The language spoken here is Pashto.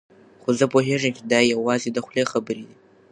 خو زه پوهېږم چې دا یوازې د خولې خبرې دي.